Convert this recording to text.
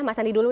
mas andi dulu